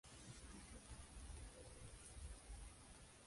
Una vez restablecido, vuelve al combate.